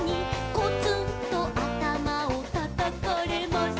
「コツンとあたまをたたかれます」